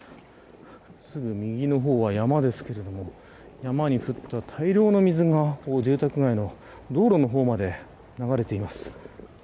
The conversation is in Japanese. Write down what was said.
すぐ右の方は山ですけど山に降った大量の水が住宅街の道路の方まで流れています。